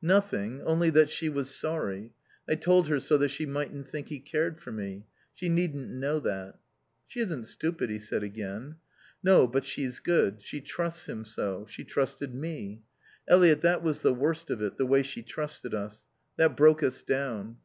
"Nothing. Only that she was sorry. I told her so that she mightn't think he cared for me. She needn't know that." "She isn't stupid," he said again. "No. But she's good. She trusts him so. She trusted me.... Eliot, that was the worst of it, the way she trusted us. That broke us down."